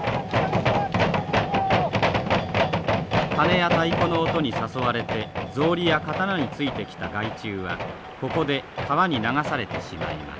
鉦や太鼓の音に誘われて草履や刀についてきた害虫はここで川に流されてしまいます。